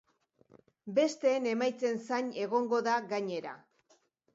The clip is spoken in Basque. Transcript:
Besteen emaitzen zain egongo da, gainera.